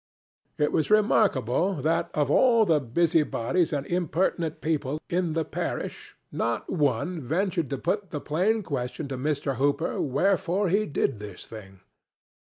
It was remarkable that, of all the busybodies and impertinent people in the parish, not one ventured to put the plain question to Mr. Hooper wherefore he did this thing.